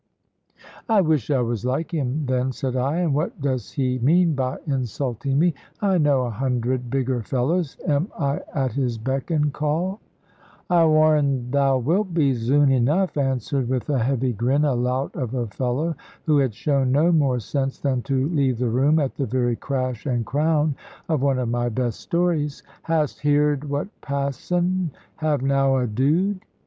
"I wish I was like him, then," said I; "and what does he mean by insulting me? I know a hundred bigger fellows. Am I at his beck and call?" "I warr'n thou wilt be, zoon enough," answered, with a heavy grin, a lout of a fellow, who had shown no more sense than to leave the room at the very crash and crown of one of my best stories; "hast heered what Passon have now a dooed?"